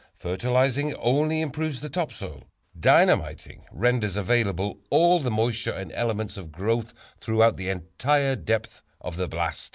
Fertilizing only improves the top soil. Dynamiting renders available all the moisture and elements of growth throughout the entire depth of the blast.